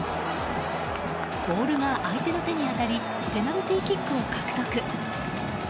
ボールが相手の手に当たりペナルティーキックを獲得。